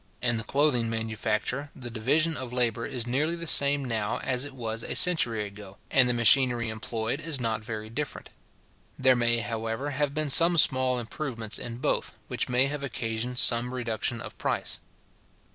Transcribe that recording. In the clothing manufacture, the division of labour is nearly the same now as it was a century ago, and the machinery employed is not very different. There may, however, have been some small improvements in both, which may have occasioned some reduction of price.